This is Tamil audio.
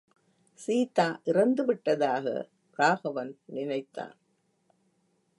சீதா இறந்துவிட்டதாக ராகவன் நினைத்தான்.